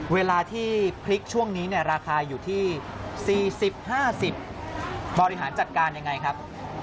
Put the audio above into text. เวลาที่พริกช่วงนี้เนี่ยราคาอยู่ที่๔๐๕๐บริหารจัดการยังไงครับ